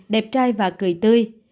đẹp trai và cười tươi